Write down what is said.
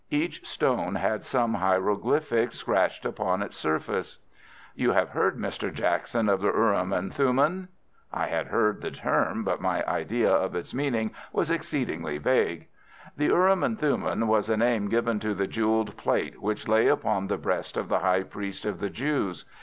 Each stone had some hieroglyphic scratched upon its surface. "You have heard, Mr. Jackson, of the urim and thummim?" I had heard the term, but my idea of its meaning was exceedingly vague. "The urim and thummim was a name given to the jewelled plate which lay upon the breast of the high priest of the Jews.